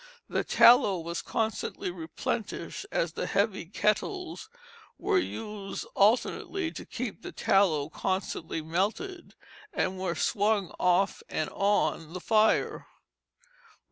The tallow was constantly replenished, as the heavy kettles were used alternately to keep the tallow constantly melted, and were swung off and on the fire.